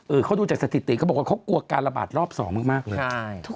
เขาดูจากสถิติเขาบอกว่าเขากลัวการระบาดรอบสองมากเลย